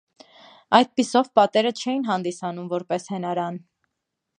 Այդպիսով, պատերը չէին հանդիսանում որպես հենարան։